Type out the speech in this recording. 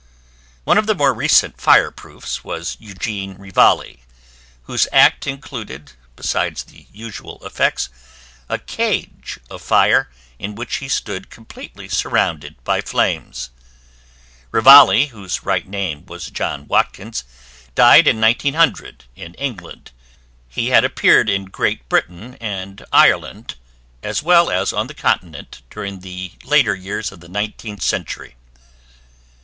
One of the more recent fireproofs was Eugene Rivalli, whose act included, besides the usual effects, a cage of fire in which he stood completely surrounded by flames. Rivalli, whose right name was John Watkins, died in 1900, in England. He had appeared in Great Britain and Ireland as well as on the Continent during the later years of the 19th century.